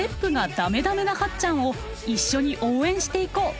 駄目なはっちゃんを一緒に応援していこう。